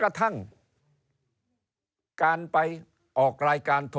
เริ่มตั้งแต่หาเสียงสมัครลง